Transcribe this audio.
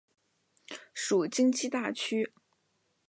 属京畿大区。